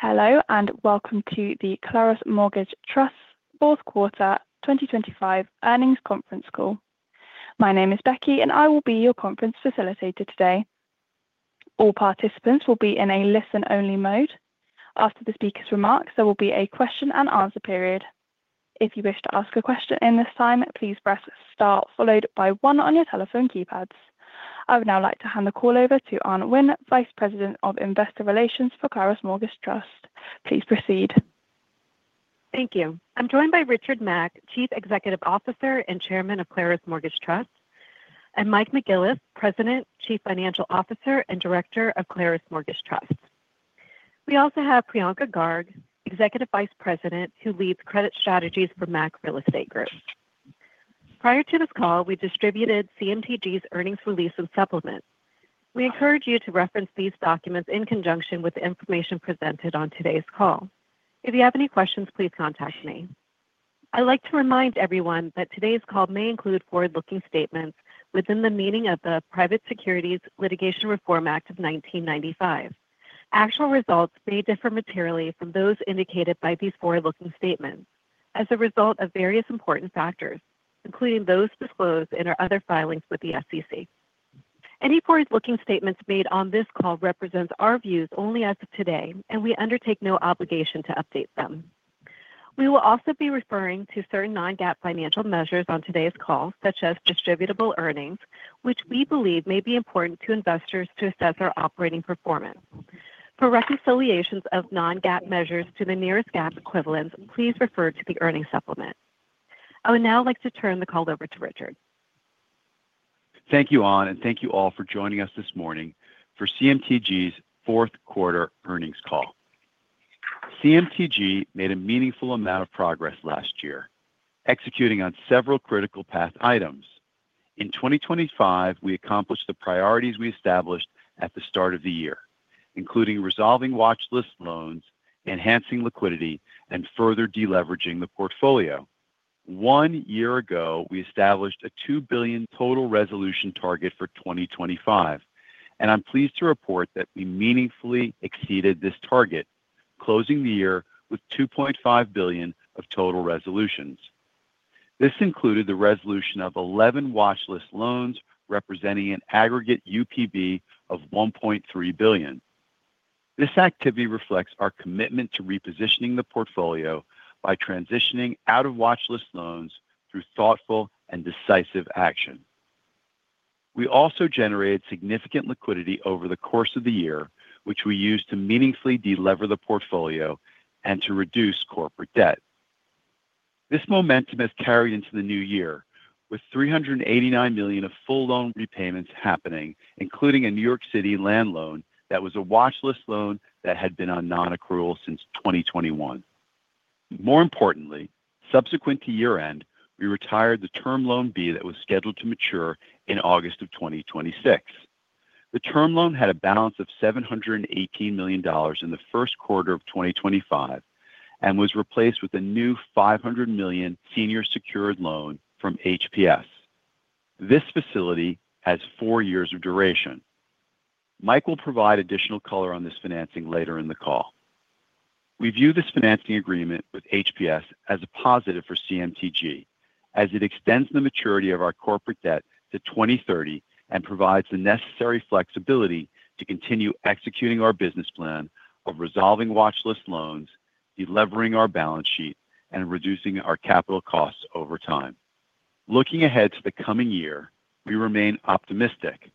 Hello, and welcome to the Claros Mortgage Trust fourth quarter 2025 earnings conference call. My name is Becky, and I will be your conference facilitator today. All participants will be in a listen-only mode. After the speaker's remarks, there will be a question and answer period. If you wish to ask a question in this time, please press Star followed by one on your telephone keypads. I would now like to hand the call over to Anh Huynh, Vice President of Investor Relations for Claros Mortgage Trust. Please proceed. Thank you. I'm joined by Richard Mack, Chief Executive Officer and Chairman of Claros Mortgage Trust, and Mike McGillis, President, Chief Financial Officer, and Director of Claros Mortgage Trust. We also have Priyanka Garg, Executive Vice President, who leads credit strategies for Mack Real Estate Group. Prior to this call, we distributed CMTG's earnings release and supplement. We encourage you to reference these documents in conjunction with the information presented on today's call. If you have any questions, please contact me. I'd like to remind everyone that today's call may include forward-looking statements within the meaning of the Private Securities Litigation Reform Act of 1995. Actual results may differ materially from those indicated by these forward-looking statements as a result of various important factors, including those disclosed in our other filings with the SEC. Any forward-looking statements made on this call represent our views only as of today, and we undertake no obligation to update them. We will also be referring to certain non-GAAP financial measures on today's call, such as distributable earnings, which we believe may be important to investors to assess our operating performance. For reconciliations of non-GAAP measures to the nearest GAAP equivalent, please refer to the earnings supplement. I would now like to turn the call over to Richard. Thank you, Anh, and thank you all for joining us this morning for CMTG's fourth quarter earnings call. CMTG made a meaningful amount of progress last year, executing on several critical path items. In 2025, we accomplished the priorities we established at the start of the year, including resolving watch list loans, enhancing liquidity, and further deleveraging the portfolio. One year ago, we established a $2 billion total resolution target for 2025, and I'm pleased to report that we meaningfully exceeded this target, closing the year with $2.5 billion of total resolutions. This included the resolution of 11 watch list loans, representing an aggregate UPB of $1.3 billion. This activity reflects our commitment to repositioning the portfolio by transitioning out of watch list loans through thoughtful and decisive action. We also generated significant liquidity over the course of the year, which we used to meaningfully delever the portfolio and to reduce corporate debt. This momentum has carried into the new year, with $389 million of full loan repayments happening, including a New York City land loan that was a watch list loan that had been on non-accrual since 2021. More importantly, subsequent to year-end, we retired the Term Loan B that was scheduled to mature in August of 2026. The term loan had a balance of $718 million in the first quarter of 2025 and was replaced with a new $500 million senior secured loan from HPS. This facility has 4 years of duration. Mike will provide additional color on this financing later in the call. We view this financing agreement with HPS as a positive for CMTG, as it extends the maturity of our corporate debt to 2030 and provides the necessary flexibility to continue executing our business plan of resolving watch list loans, delevering our balance sheet, and reducing our capital costs over time. Looking ahead to the coming year, we remain optimistic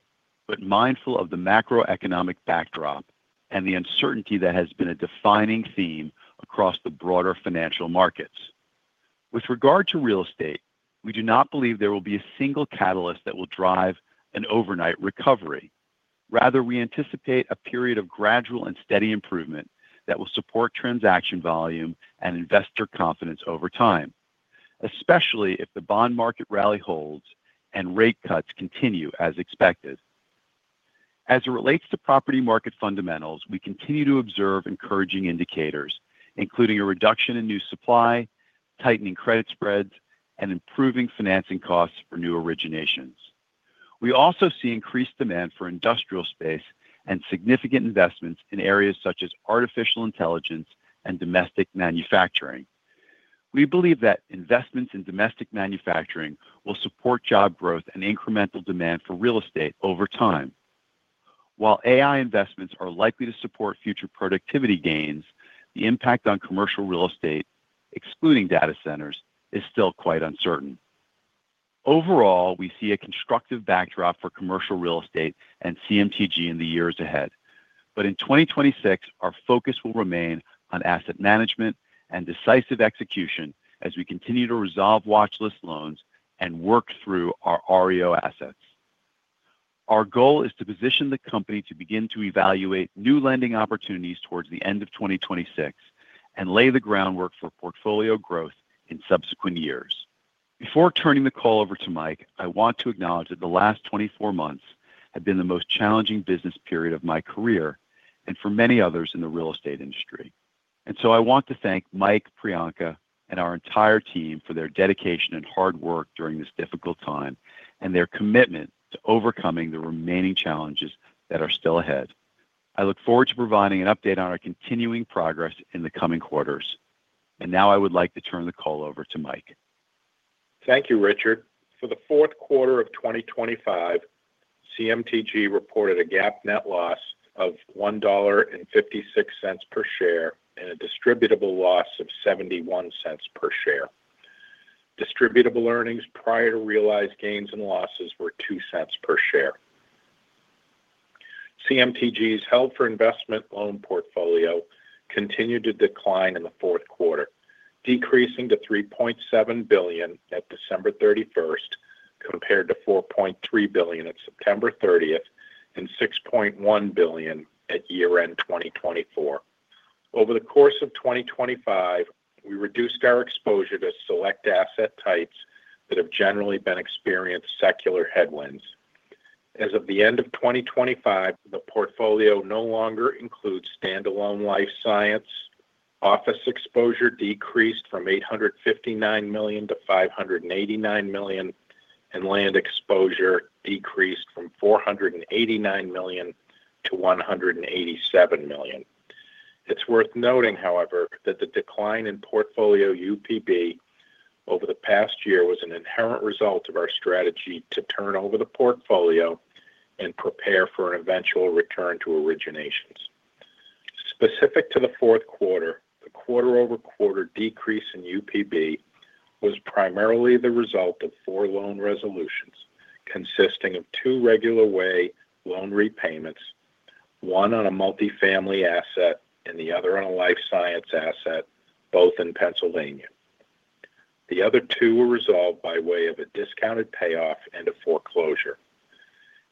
but mindful of the macroeconomic backdrop and the uncertainty that has been a defining theme across the broader financial markets. With regard to real estate, we do not believe there will be a single catalyst that will drive an overnight recovery. Rather, we anticipate a period of gradual and steady improvement that will support transaction volume and investor confidence over time, especially if the bond market rally holds and rate cuts continue as expected. As it relates to property market fundamentals, we continue to observe encouraging indicators, including a reduction in new supply, tightening credit spreads, and improving financing costs for new originations. We also see increased demand for industrial space and significant investments in areas such as artificial intelligence and domestic manufacturing. We believe that investments in domestic manufacturing will support job growth and incremental demand for real estate over time. While AI investments are likely to support future productivity gains, the impact on commercial real estate, excluding data centers, is still quite uncertain. Overall, we see a constructive backdrop for commercial real estate and CMTG in the years ahead. But in 2026, our focus will remain on asset management and decisive execution as we continue to resolve watch list loans and work through our REO assets. Our goal is to position the company to begin to evaluate new lending opportunities towards the end of 2026 and lay the groundwork for portfolio growth in subsequent years. Before turning the call over to Mike, I want to acknowledge that the last 24 months have been the most challenging business period of my career and for many others in the real estate industry.... And so I want to thank Mike, Priyanka, and our entire team for their dedication and hard work during this difficult time, and their commitment to overcoming the remaining challenges that are still ahead. I look forward to providing an update on our continuing progress in the coming quarters. And now I would like to turn the call over to Mike. Thank you, Richard. For the fourth quarter of 2025, CMTG reported a GAAP net loss of $1.56 per share and a distributable loss of $0.71 per share. Distributable earnings prior to realized gains and losses were $0.02 per share. CMTG's held for investment loan portfolio continued to decline in the fourth quarter, decreasing to $3.7 billion at December 31, compared to $4.3 billion at September 30 and $6.1 billion at year-end 2024. Over the course of 2025, we reduced our exposure to select asset types that have generally been experienced secular headwinds. As of the end of 2025, the portfolio no longer includes standalone life science. Office exposure decreased from $859 million to $589 million, and land exposure decreased from $489 million to $187 million. It's worth noting, however, that the decline in portfolio UPB over the past year was an inherent result of our strategy to turn over the portfolio and prepare for an eventual return to originations. Specific to the fourth quarter, the quarter-over-quarter decrease in UPB was primarily the result of four loan resolutions, consisting of two regular way loan repayments, one on a multifamily asset and the other on a life science asset, both in Pennsylvania. The other two were resolved by way of a discounted payoff and a foreclosure.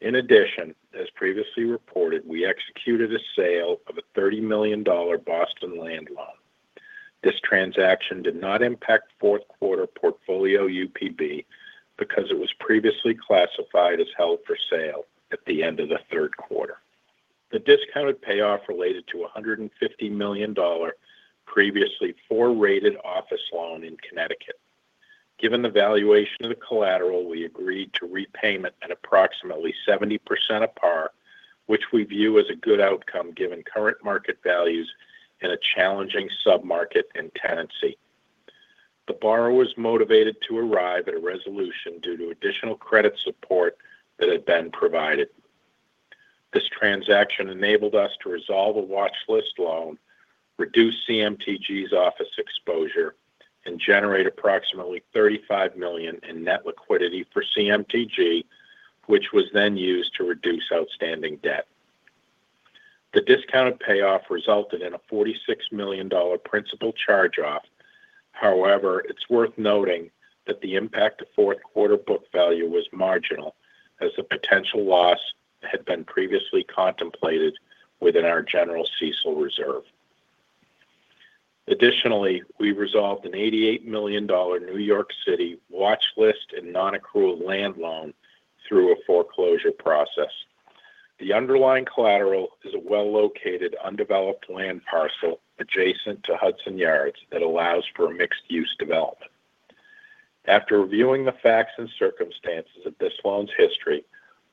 In addition, as previously reported, we executed a sale of a $30 million Boston land loan. This transaction did not impact fourth quarter portfolio UPB because it was previously classified as held for sale at the end of the third quarter. The discounted payoff related to a $150 million previously four-rated office loan in Connecticut. Given the valuation of the collateral, we agreed to repayment at approximately 70% of par, which we view as a good outcome, given current market values in a challenging submarket and tenancy. The borrower was motivated to arrive at a resolution due to additional credit support that had been provided. This transaction enabled us to resolve a watch list loan, reduce CMTG's office exposure, and generate approximately $35 million in net liquidity for CMTG, which was then used to reduce outstanding debt. The discounted payoff resulted in a $46 million principal charge-off. However, it's worth noting that the impact to fourth quarter book value was marginal, as the potential loss had been previously contemplated within our general CECL reserve. Additionally, we resolved an $88 million New York City watchlist and non-accrual land loan through a foreclosure process. The underlying collateral is a well-located, undeveloped land parcel adjacent to Hudson Yards that allows for a mixed-use development. After reviewing the facts and circumstances of this loan's history,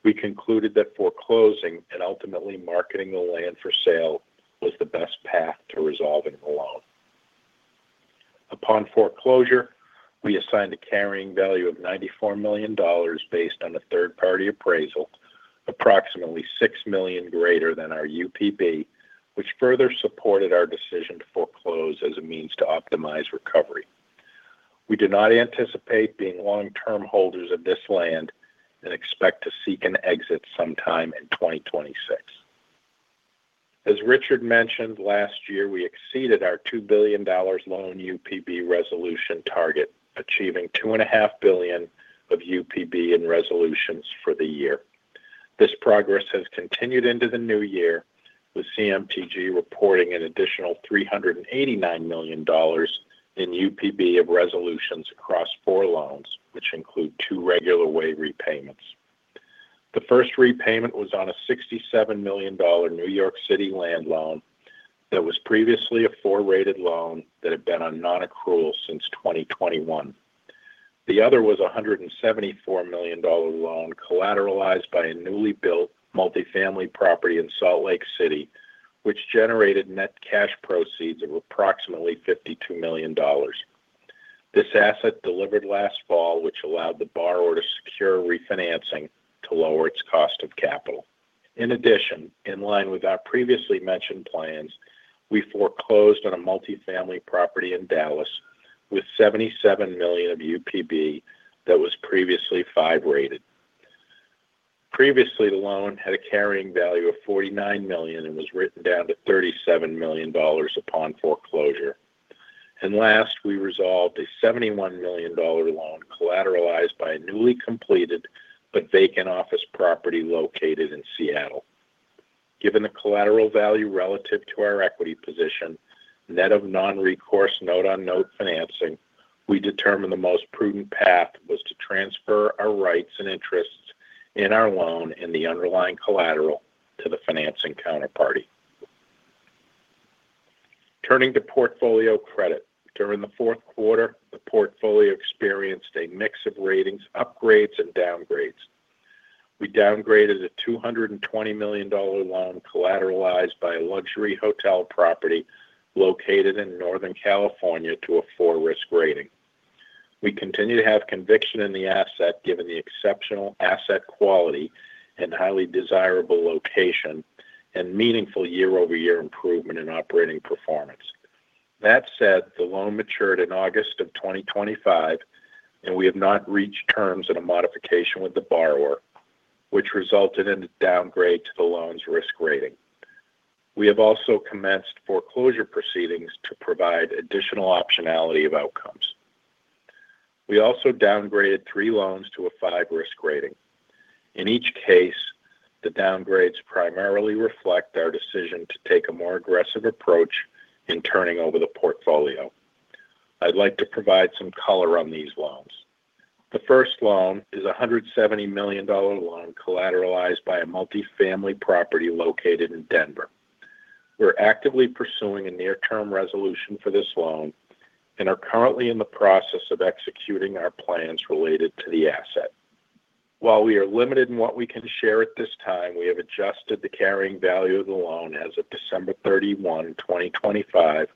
we concluded that foreclosing and ultimately marketing the land for sale was the best path to resolving the loan. Upon foreclosure, we assigned a carrying value of $94 million based on a third-party appraisal, approximately $6 million greater than our UPB, which further supported our decision to foreclose as a means to optimize recovery. We do not anticipate being long-term holders of this land and expect to seek an exit sometime in 2026. As Richard mentioned, last year, we exceeded our $2 billion loan UPB resolution target, achieving $2.5 billion of UPB in resolutions for the year. This progress has continued into the new year, with CMTG reporting an additional $389 million in UPB of resolutions across four loans, which include two regular way repayments. The first repayment was on a $67 million New York City land loan that was previously a four-rated loan that had been on non-accrual since 2021. The other was a $174 million loan collateralized by a newly built multifamily property in Salt Lake City, which generated net cash proceeds of approximately $52 million. This asset delivered last fall, which allowed the borrower to secure refinancing to lower its cost of capital. In addition, in line with our previously mentioned plans, we foreclosed on a multifamily property in Dallas with $77 million of UPB that was previously five-rated. Previously, the loan had a carrying value of $49 million and was written down to $37 million upon foreclosure. And last, we resolved a $71 million loan collateralized by a newly completed but vacant office property located in Seattle. Given the collateral value relative to our equity position, net of non-recourse note-on-note financing, we determined the most prudent path was to transfer our rights and interests in our loan and the underlying collateral to the financing counterparty. Turning to portfolio credit. During the fourth quarter, the portfolio experienced a mix of ratings, upgrades, and downgrades. We downgraded a $220 million loan collateralized by a luxury hotel property located in Northern California to a four risk rating. We continue to have conviction in the asset, given the exceptional asset quality and highly desirable location and meaningful year-over-year improvement in operating performance. That said, the loan matured in August 2025, and we have not reached terms in a modification with the borrower, which resulted in the downgrade to the loan's risk rating. We have also commenced foreclosure proceedings to provide additional optionality of outcomes. We also downgraded three loans to a five risk rating. In each case, the downgrades primarily reflect our decision to take a more aggressive approach in turning over the portfolio. I'd like to provide some color on these loans. The first loan is a $170 million loan collateralized by a multifamily property located in Denver. We're actively pursuing a near-term resolution for this loan and are currently in the process of executing our plans related to the asset. While we are limited in what we can share at this time, we have adjusted the carrying value of the loan as of December 31, 2025,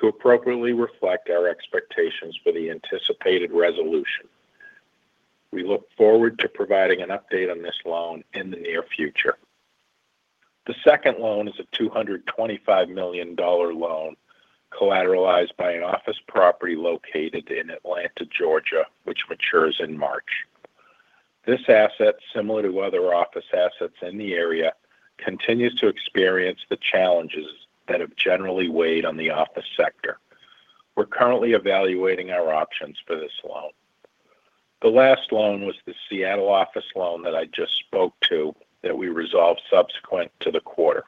to appropriately reflect our expectations for the anticipated resolution. We look forward to providing an update on this loan in the near future. The second loan is a $225 million loan collateralized by an office property located in Atlanta, Georgia, which matures in March. This asset, similar to other office assets in the area, continues to experience the challenges that have generally weighed on the office sector. We're currently evaluating our options for this loan. The last loan was the Seattle office loan that I just spoke to, that we resolved subsequent to the quarter.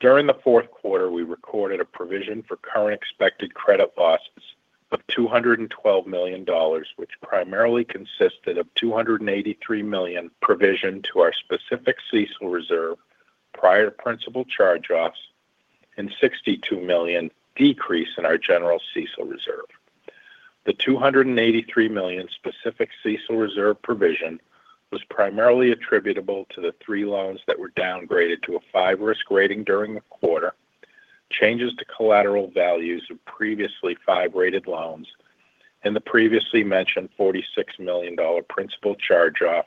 During the fourth quarter, we recorded a provision for current expected credit losses of $212 million, which primarily consisted of $283 million provision to our specific CECL reserve, prior principal charge-offs, and $62 million decrease in our general CECL reserve. The $283 million specific CECL reserve provision was primarily attributable to the three loans that were downgraded to a 5 risk rating during the quarter, changes to collateral values of previously 5-rated loans, and the previously mentioned $46 million principal charge-off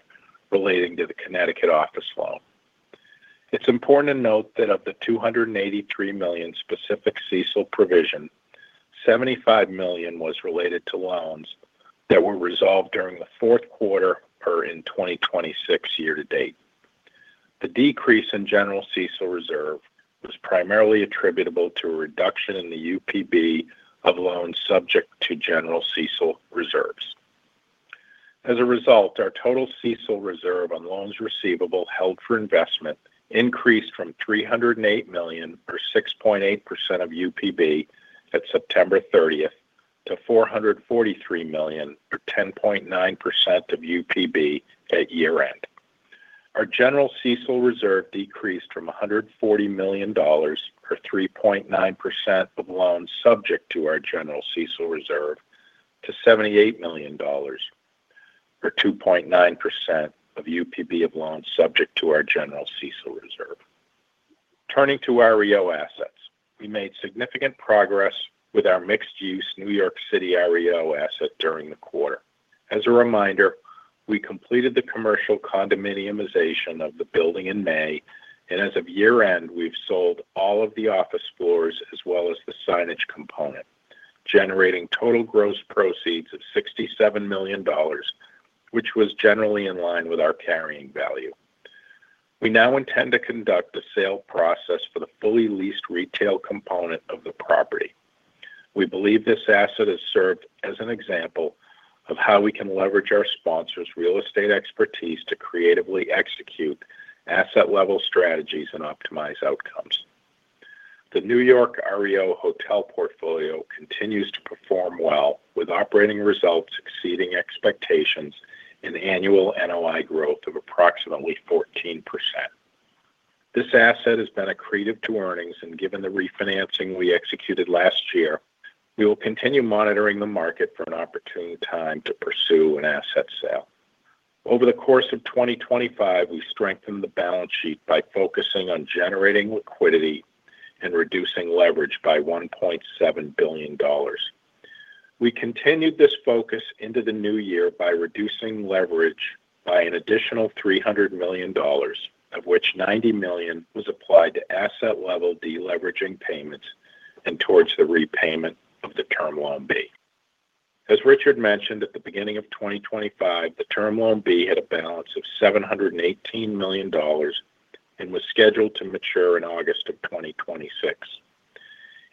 relating to the Connecticut office loan. It's important to note that of the $283 million specific CECL provision, $75 million was related to loans that were resolved during the fourth quarter or in 2026 year to date. The decrease in general CECL reserve was primarily attributable to a reduction in the UPB of loans subject to general CECL reserves. As a result, our total CECL reserve on loans receivable held for investment increased from $308 million, or 6.8% of UPB at September 30, to $443 million, or 10.9% of UPB at year-end. Our general CECL reserve decreased from $140 million, or 3.9% of loans subject to our general CECL reserve, to $78 million, or 2.9% of UPB of loans subject to our general CECL reserve. Turning to our REO assets. We made significant progress with our mixed-use New York City REO asset during the quarter. As a reminder, we completed the commercial condominiumization of the building in May, and as of year-end, we've sold all of the office floors as well as the signage component, generating total gross proceeds of $67 million, which was generally in line with our carrying value. We now intend to conduct a sale process for the fully leased retail component of the property. We believe this asset has served as an example of how we can leverage our sponsor's real estate expertise to creatively execute asset-level strategies and optimize outcomes. The New York REO Hotel portfolio continues to perform well, with operating results exceeding expectations and annual NOI growth of approximately 14%. This asset has been accretive to earnings, and given the refinancing we executed last year, we will continue monitoring the market for an opportune time to pursue an asset sale. Over the course of 2025, we strengthened the balance sheet by focusing on generating liquidity and reducing leverage by $1.7 billion. We continued this focus into the new year by reducing leverage by an additional $300 million, of which $90 million was applied to asset-level deleveraging payments and towards the repayment of the Term Loan B. As Richard mentioned, at the beginning of 2025, the Term Loan B had a balance of $718 million and was scheduled to mature in August of 2026.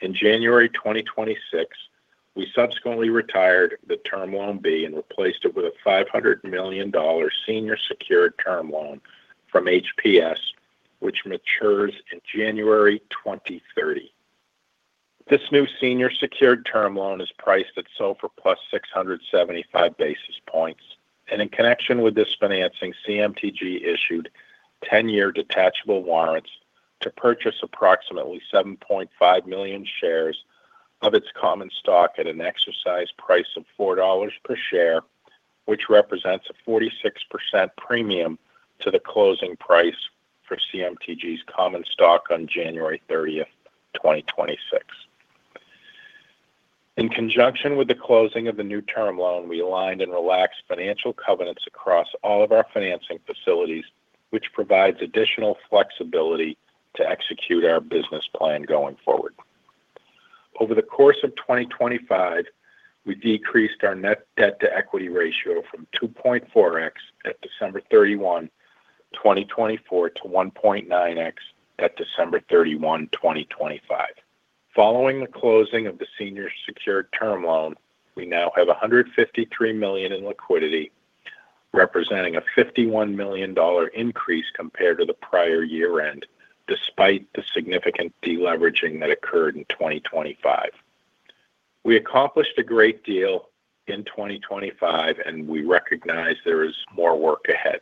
In January 2026, we subsequently retired the Term Loan B and replaced it with a $500 million senior secured term loan from HPS, which matures in January 2030... This new senior secured term loan is priced at SOFR plus 675 basis points. In connection with this financing, CMTG issued 10-year detachable warrants to purchase approximately 7.5 million shares of its common stock at an exercise price of $4 per share, which represents a 46% premium to the closing price for CMTG's common stock on January 30th, 2026. In conjunction with the closing of the new term loan, we aligned and relaxed financial covenants across all of our financing facilities, which provides additional flexibility to execute our business plan going forward. Over the course of 2025, we decreased our net debt-to-equity ratio from 2.4x at December 31, 2024, to 1.9x at December 31, 2025. Following the closing of the senior secured term loan, we now have $153 million in liquidity, representing a $51 million increase compared to the prior year-end, despite the significant deleveraging that occurred in 2025. We accomplished a great deal in 2025, and we recognize there is more work ahead.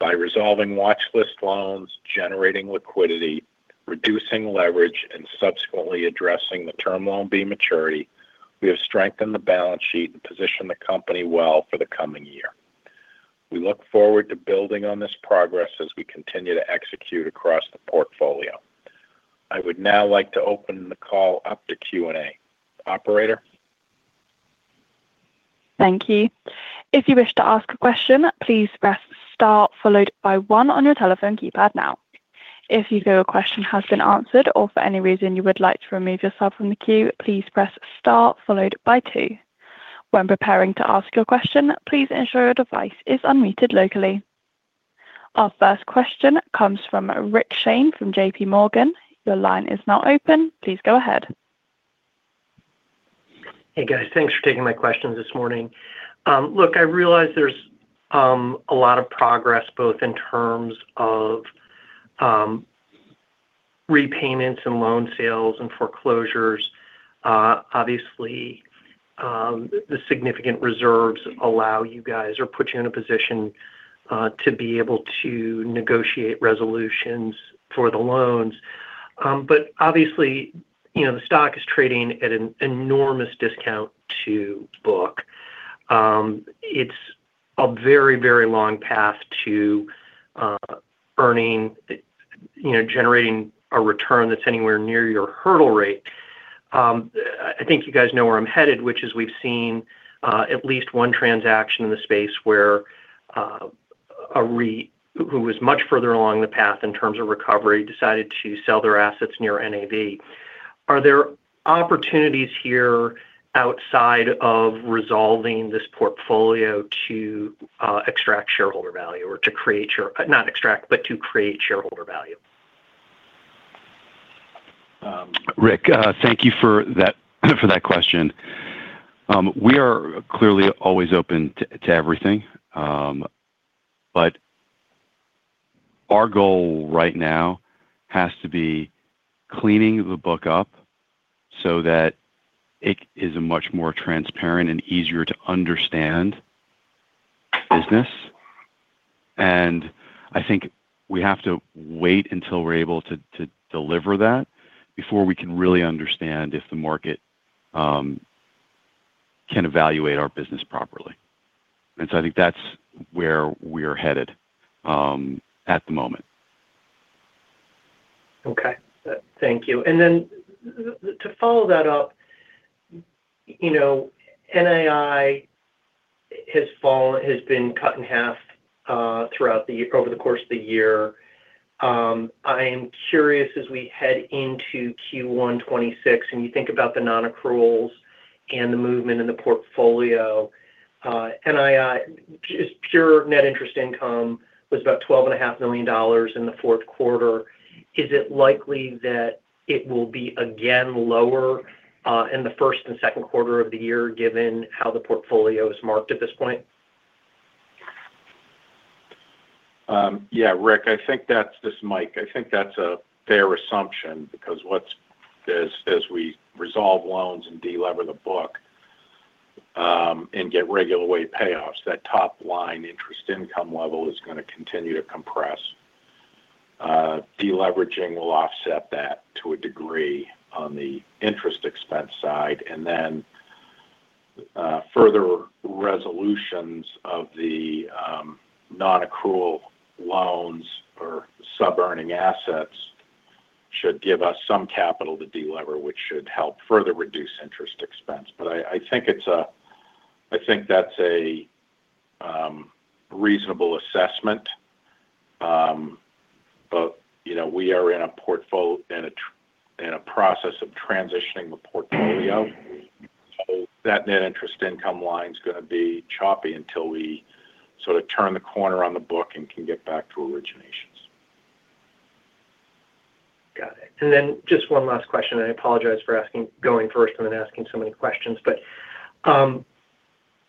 By resolving watch list loans, generating liquidity, reducing leverage, and subsequently addressing the Term Loan B maturity, we have strengthened the balance sheet and positioned the company well for the coming year. We look forward to building on this progress as we continue to execute across the portfolio. I would now like to open the call up to Q&A. Operator? Thank you. If you wish to ask a question, please press star followed by one on your telephone keypad now. If you feel your question has been answered or for any reason you would like to remove yourself from the queue, please press star followed by two. When preparing to ask your question, please ensure your device is unmuted locally. Our first question comes from Rick Shane from JPMorgan. Your line is now open. Please go ahead. Hey, guys. Thanks for taking my questions this morning. Look, I realize there's a lot of progress, both in terms of repayments and loan sales and foreclosures. Obviously, the significant reserves allow you guys or put you in a position to be able to negotiate resolutions for the loans. But obviously, you know, the stock is trading at an enormous discount to book. It's a very, very long path to earning, you know, generating a return that's anywhere near your hurdle rate. I think you guys know where I'm headed, which is we've seen at least one transaction in the space where a REIT who was much further along the path in terms of recovery, decided to sell their assets near NAV. Are there opportunities here outside of resolving this portfolio to extract shareholder value or to create—not extract, but to create shareholder value? Rick, thank you for that, for that question. We are clearly always open to, to everything, but our goal right now has to be cleaning the book up so that it is a much more transparent and easier to understand business. And I think we have to wait until we're able to, to deliver that before we can really understand if the market, can evaluate our business properly. And so I think that's where we're headed, at the moment. Okay. Thank you. And then to follow that up, you know, NII has fallen, has been cut in half, throughout the year, over the course of the year. I am curious, as we head into Q1 2026, and you think about the non-accruals and the movement in the portfolio, NII, just pure net interest income was about $12.5 million in the fourth quarter. Is it likely that it will be again lower in the first and second quarter of the year, given how the portfolio is marked at this point? Yeah, Rick, I think that's... This is Mike. I think that's a fair assumption because what's—as we resolve loans and delever the book, and get regular weight payoffs, that top-line interest income level is gonna continue to compress. Deleveraging will offset that to a degree on the interest expense side, and then, further resolutions of the non-accrual loans or sub-earning assets should give us some capital to delever, which should help further reduce interest expense. I think it's a—I think that's a reasonable assessment. You know, we are in a portfol—in a tr—in a process of transitioning the portfolio, so that net interest income line is gonna be choppy until we sort of turn the corner on the book and can get back to originations. Got it. And then just one last question. I apologize for asking, going first and then asking so many questions, but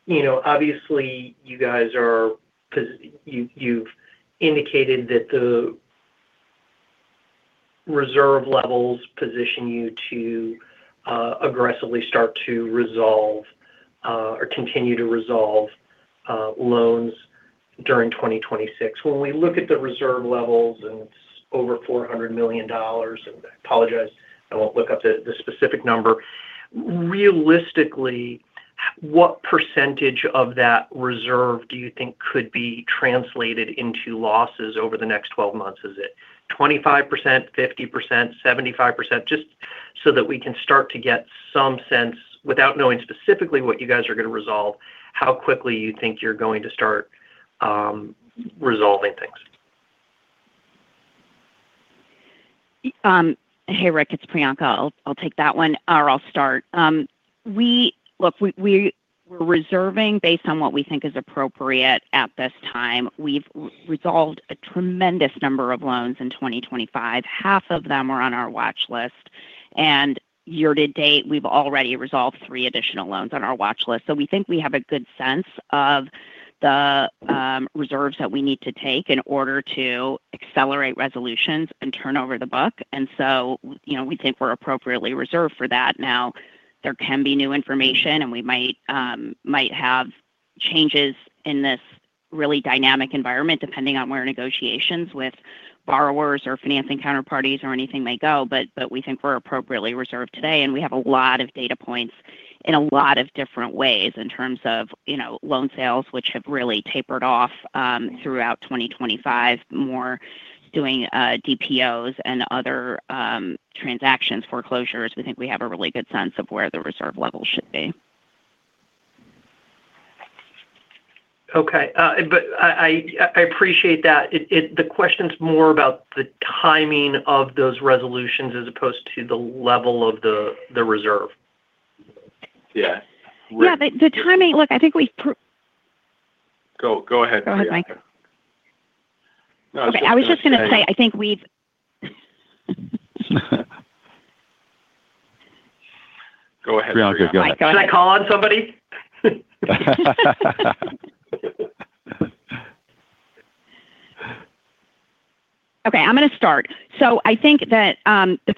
you know, obviously, you've indicated that the reserve levels position you to aggressively start to resolve or continue to resolve loans during 2026. When we look at the reserve levels, and it's over $400 million, and I apologize, I won't look up the specific number. Realistically, what percentage of that reserve do you think could be translated into losses over the next 12 months? Is it 25%, 50%, 75%? Just so that we can start to get some sense, without knowing specifically what you guys are going to resolve, how quickly you think you're going to start resolving things. Hey, Rick, it's Priyanka. I'll take that one, or I'll start. We look, we're reserving based on what we think is appropriate at this time. We've re-resolved a tremendous number of loans in 2025. Half of them are on our watch list, and year to date, we've already resolved three additional loans on our watch list. So we think we have a good sense of the reserves that we need to take in order to accelerate resolutions and turn over the book. And so, you know, we think we're appropriately reserved for that. Now, there can be new information, and we might have changes in this really dynamic environment, depending on where negotiations with borrowers or financing counterparties or anything may go. But we think we're appropriately reserved today, and we have a lot of data points in a lot of different ways in terms of, you know, loan sales, which have really tapered off throughout 2025, more doing DPOs and other transactions, foreclosures. We think we have a really good sense of where the reserve levels should be. Okay, but I appreciate that. The question's more about the timing of those resolutions as opposed to the level of the reserve. Yeah. Yeah, the timing... Look, I think we pr- Go ahead, Priyanka. Go ahead, Mike. No- I was just going to say, I think we've... Go ahead, Priyanka, go ahead. Should I call on somebody? Okay, I'm going to start. So I think that, the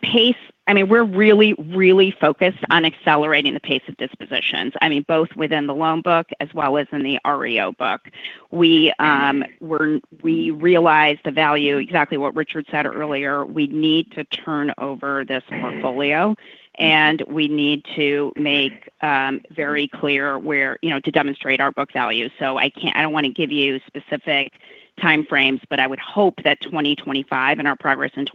pace—I mean, we're really, really focused on accelerating the pace of dispositions. I mean, both within the loan book as well as in the REO book. We're—we realize the value, exactly what Richard said earlier, we need to turn over this portfolio, and we need to make, very clear where, you know, to demonstrate our book value. So I can't—I don't want to give you specific time frames, but I would hope that 2025 and our progress in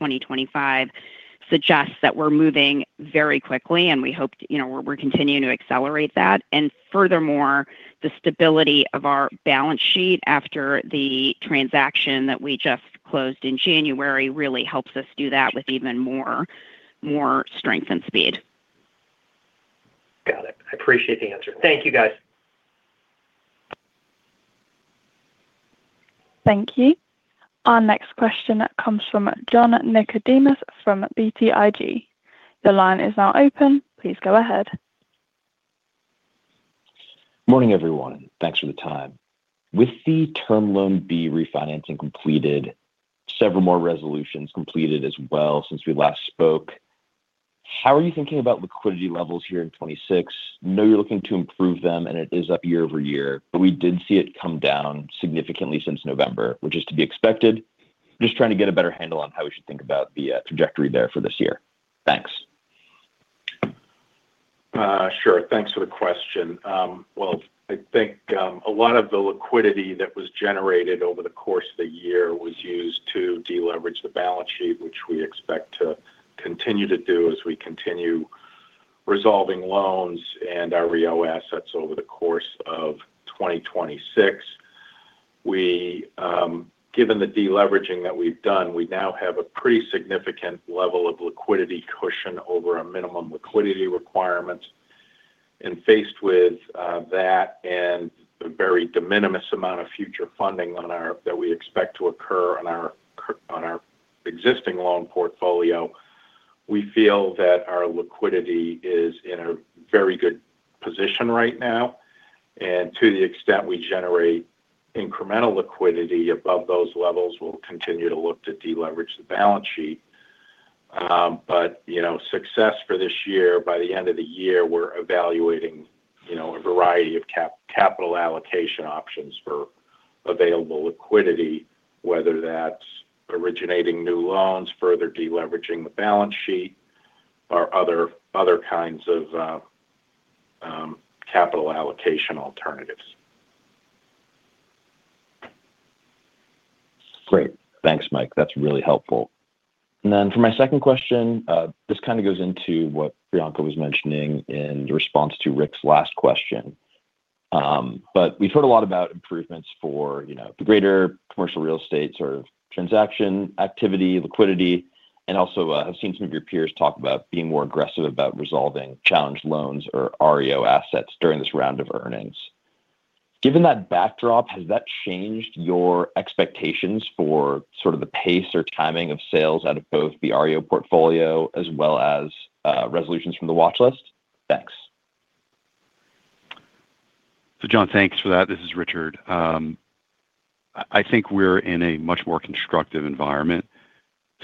2025 suggests that we're moving very quickly, and we hope, you know, we're continuing to accelerate that. And furthermore, the stability of our balance sheet after the transaction that we just closed in January really helps us do that with even more, more strength and speed. Got it. I appreciate the answer. Thank you, guys. Thank you. Our next question comes from John Nicodemus from BTIG. The line is now open. Please go ahead. Morning, everyone. Thanks for the time. With the term loan B refinancing completed, several more resolutions completed as well since we last spoke, how are you thinking about liquidity levels here in 2026? I know you're looking to improve them, and it is up year-over-year, but we did see it come down significantly since November, which is to be expected. Just trying to get a better handle on how we should think about the trajectory there for this year. Thanks. Sure. Thanks for the question. Well, I think a lot of the liquidity that was generated over the course of the year was used to deleverage the balance sheet, which we expect to continue to do as we continue resolving loans and our REO assets over the course of 2026. We, given the deleveraging that we've done, we now have a pretty significant level of liquidity cushion over our minimum liquidity requirements. And faced with that and a very de minimis amount of future funding that we expect to occur on our existing loan portfolio, we feel that our liquidity is in a very good position right now. And to the extent we generate incremental liquidity above those levels, we'll continue to look to deleverage the balance sheet. You know, success for this year, by the end of the year, we're evaluating, you know, a variety of capital allocation options for available liquidity, whether that's originating new loans, further deleveraging the balance sheet, or other kinds of capital allocation alternatives. Great. Thanks, Mike. That's really helpful. And then for my second question, this kind of goes into what Priyanka was mentioning in response to Rick's last question. But we've heard a lot about improvements for, you know, the greater commercial real estate sort of transaction, activity, liquidity, and also, I've seen some of your peers talk about being more aggressive about resolving challenged loans or REO assets during this round of earnings. Given that backdrop, has that changed your expectations for sort of the pace or timing of sales out of both the REO portfolio as well as, resolutions from the watchlist? Thanks. So John, thanks for that. This is Richard. I think we're in a much more constructive environment,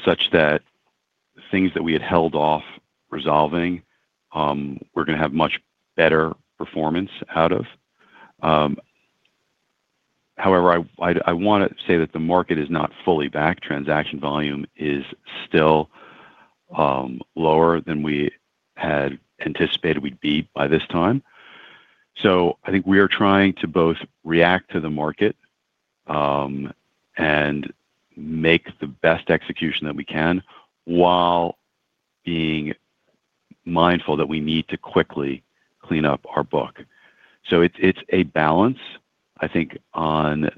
such that things that we had held off resolving, we're gonna have much better performance out of. However, I wanna say that the market is not fully back. Transaction volume is still lower than we had anticipated we'd be by this time. So I think we are trying to both react to the market and make the best execution that we can, while being mindful that we need to quickly clean up our book. So it's a balance. I think on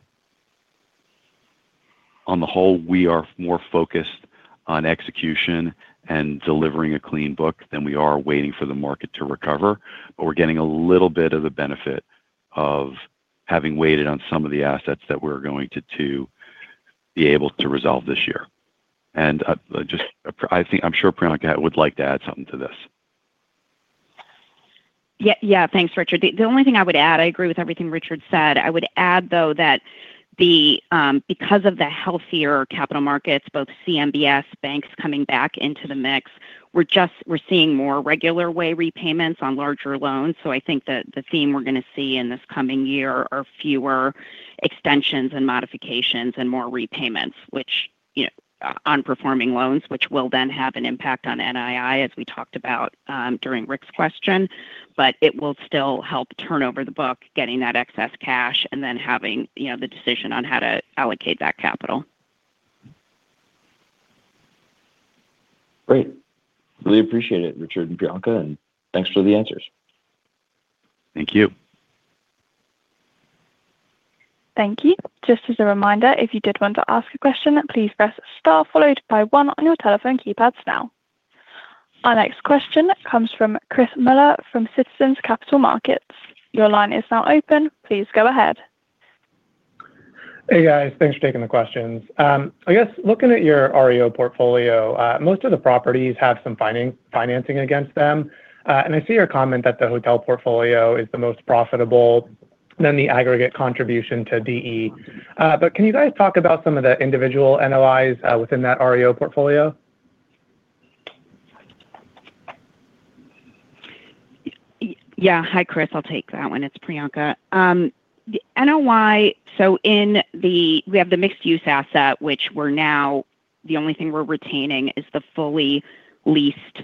the whole, we are more focused on execution and delivering a clean book than we are waiting for the market to recover, but we're getting a little bit of the benefit of having waited on some of the assets that we're going to be able to resolve this year. And just, I think- I'm sure Priyanka would like to add something to this. Yeah, yeah. Thanks, Richard. The only thing I would add, I agree with everything Richard said. I would add, though, that because of the healthier capital markets, both CMBS banks coming back into the mix, we're seeing more regular way repayments on larger loans. So I think that the theme we're gonna see in this coming year are fewer extensions and modifications and more repayments, which, you know, on performing loans, which will then have an impact on NII, as we talked about during Rick's question, but it will still help turn over the book, getting that excess cash, and then having, you know, the decision on how to allocate that capital. Great. Really appreciate it, Richard and Priyanka, and thanks for the answers. Thank you. Thank you. Just as a reminder, if you did want to ask a question, please press star followed by one on your telephone keypads now. Our next question comes from Chris Muller, from Citizens Capital Markets. Your line is now open. Please go ahead. Hey, guys. Thanks for taking the questions. I guess looking at your REO portfolio, most of the properties have some financing against them. And I see your comment that the hotel portfolio is the most profitable than the aggregate contribution to DE. But can you guys talk about some of the individual NOIs within that REO portfolio? Yeah. Hi, Chris. I'll take that one. It's Priyanka. The NOI, so in we have the mixed-use asset, which we're now the only thing we're retaining is the fully leased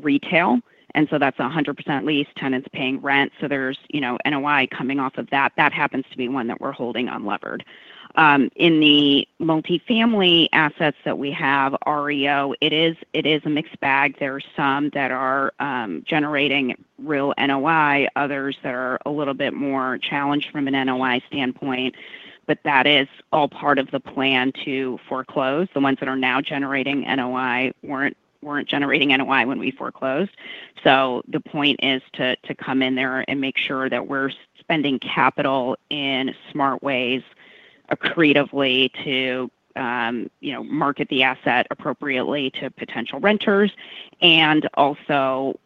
retail, and so that's 100% leased, tenants paying rent, so there's, you know, NOI coming off of that. That happens to be one that we're holding unlevered. In the multifamily assets that we have, REO, it is a mixed bag. There are some that are generating real NOI, others that are a little bit more challenged from an NOI standpoint, but that is all part of the plan to foreclose. The ones that are now generating NOI weren't generating NOI when we foreclosed. So the point is to come in there and make sure that we're spending capital in smart ways, creatively to, you know, market the asset appropriately to potential renters, and also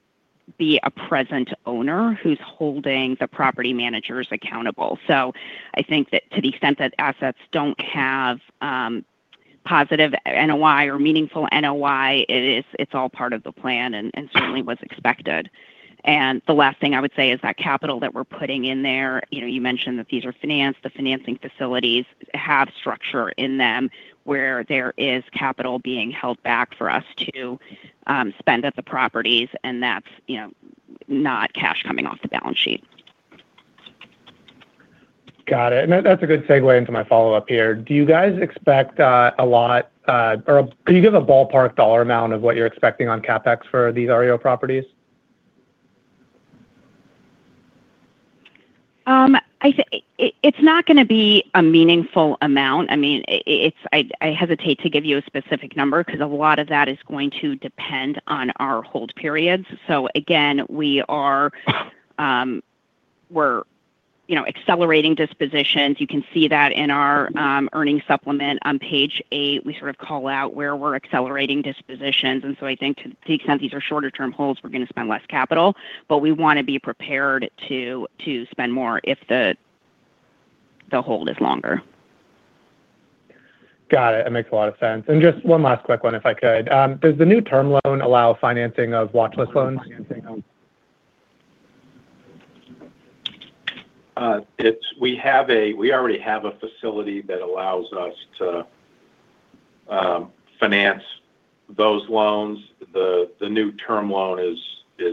be a present owner who's holding the property managers accountable. So I think that to the extent that assets don't have positive NOI or meaningful NOI, it's all part of the plan and certainly was expected. And the last thing I would say is that capital that we're putting in there, you know, you mentioned that these are financed. The financing facilities have structure in them where there is capital being held back for us to spend at the properties, and that's, you know, not cash coming off the balance sheet. Got it. And that, that's a good segue into my follow-up here. Do you guys expect a lot, or can you give a ballpark dollar amount of what you're expecting on CapEx for these REO properties? I think it's not gonna be a meaningful amount. I mean, I hesitate to give you a specific number because a lot of that is going to depend on our hold periods. So again, we're, you know, accelerating dispositions. You can see that in our earnings supplement. On page eight, we sort of call out where we're accelerating dispositions, and so I think to the extent these are shorter term holds, we're gonna spend less capital, but we wanna be prepared to spend more if the hold is longer. Got it. That makes a lot of sense. Just one last quick one, if I could. Does the new term loan allow financing of watch list loans? We already have a facility that allows us to finance those loans. The new term loan is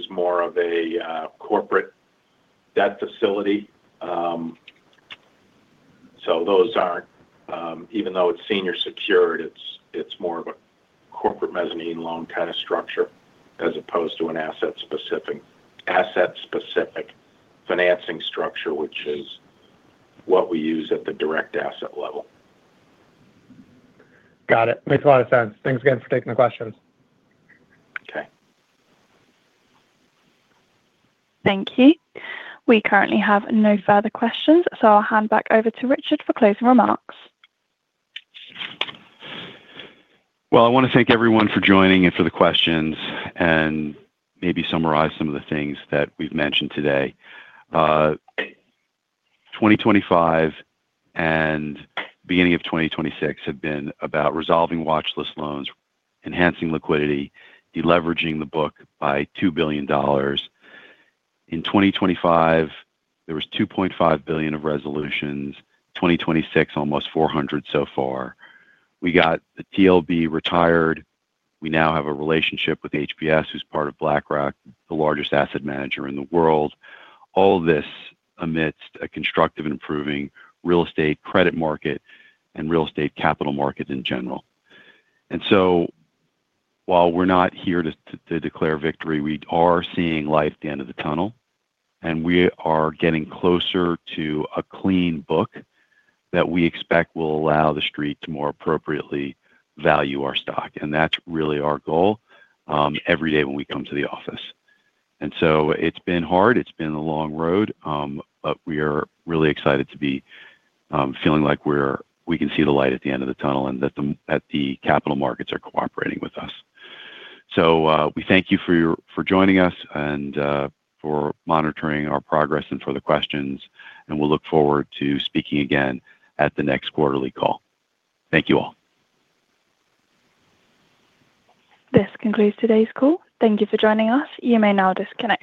more of a corporate debt facility. So those aren't, even though it's senior secured, it's more of a corporate mezzanine loan kind of structure as opposed to an asset-specific financing structure, which is what we use at the direct asset level. Got it. Makes a lot of sense. Thanks again for taking the questions. Okay. Thank you. We currently have no further questions, so I'll hand back over to Richard for closing remarks. Well, I want to thank everyone for joining and for the questions, and maybe summarize some of the things that we've mentioned today. 2025 and beginning of 2026 have been about resolving watch list loans, enhancing liquidity, deleveraging the book by $2 billion. In 2025, there was $2.5 billion of resolutions. 2026, almost $400 million so far. We got the TLB retired. We now have a relationship with HPS, who's part of BlackRock, the largest asset manager in the world. All this amidst a constructive and improving real estate credit market and real estate capital markets in general. And so while we're not here to declare victory, we are seeing light at the end of the tunnel, and we are getting closer to a clean book that we expect will allow the street to more appropriately value our stock. That's really our goal, every day when we come to the office. It's been hard, it's been a long road, but we are really excited to be feeling like we can see the light at the end of the tunnel and that the capital markets are cooperating with us. We thank you for joining us and for monitoring our progress and for the questions, and we'll look forward to speaking again at the next quarterly call. Thank you all. This concludes today's call. Thank you for joining us. You may now disconnect.